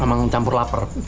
emang campur lapar